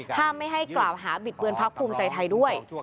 ถ้าไม่ให้กล่าวหาบิดเบือนพักภูมิใจไทยด้วย